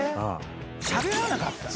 しゃべらなかった。